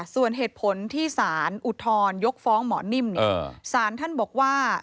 ส่วนเหตุผลที่สารอุทธรณยกฟ้องหมอนิ่มสารท่านบอกว่า